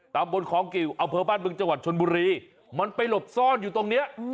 ตามบนของเกี่ยวอาพระบ้านเบิ่งจังหวัดชนบุรีมันไปหลบซ่อนอยู่ตรงนี้